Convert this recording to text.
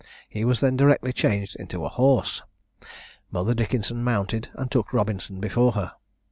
He was then directly changed into a horse; Mother Dickenson mounted, and took Robinson before her.